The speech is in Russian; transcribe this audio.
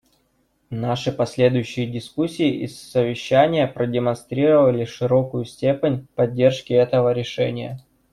Наши последующие дискуссии и совещания продемонстрировали широкую степень поддержки этого решения.